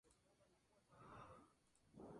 tú habrías vivido